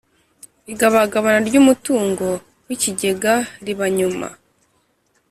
Igabagabana ry umutungo w ikigega riba nyuma